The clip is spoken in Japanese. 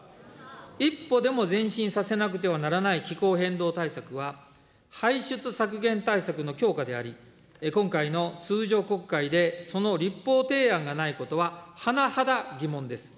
一歩でも前進させなくてはならない気候変動対策は、排出削減対策の強化であり、今回の通常国会でその立法提案がないことは、はなはだ疑問です。